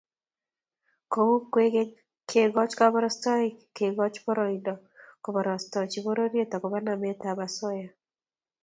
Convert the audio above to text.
Kou kwekeny kekoch koborostoik kekoch poroindo kobarastochi pororiet agobo nametab osoya